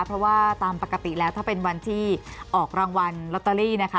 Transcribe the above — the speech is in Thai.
เพราะว่าตามปกติแล้วถ้าเป็นวันที่ออกรางวัลลอตเตอรี่นะคะ